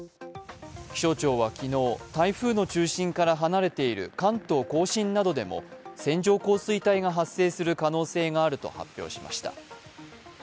気象庁は昨日、台風の中心から離れている関東甲信などでも線状降水帯が発生する可能性があると発表しました。